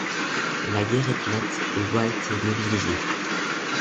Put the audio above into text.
La guerre éclate et Walt est mobilisé.